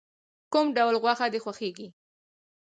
کوم ډول غوښه د خوښیږی؟